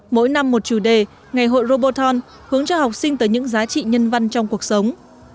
mỗi năm một chủ đề ngày hội roboton hướng cho học sinh tới những giá trị nhân văn trong cuộc sống